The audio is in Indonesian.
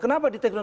kenapa di take down